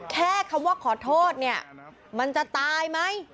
แค่คำว่าขอโทษเนี่ยมันจะตายไหม